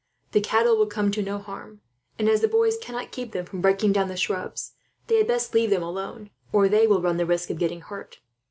"The cattle will come to no harm and, as the boys cannot keep them from breaking down the shrubs, they had best leave them alone, or they will run the risk of getting hurt.